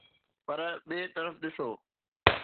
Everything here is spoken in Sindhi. پر ٻئي طرف ڏسو